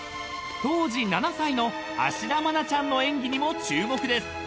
［当時７歳の芦田愛菜ちゃんの演技にも注目です］